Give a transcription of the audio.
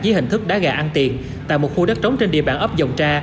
với hình thức đá gà ăn tiền tại một khu đất trống trên địa bản ấp dòng tra